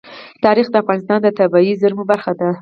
تاریخ د افغانستان د طبیعي زیرمو برخه ده.